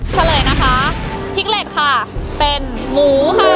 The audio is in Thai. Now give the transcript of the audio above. เฉลยนะคะพริกเหล็กค่ะเป็นหมูค่ะ